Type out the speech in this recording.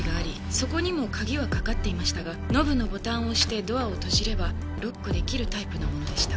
そこにも鍵はかかっていましたがノブのボタンを押してドアを閉じればロックできるタイプのものでした。